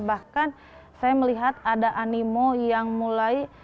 bahkan saya melihat ada animo yang mulai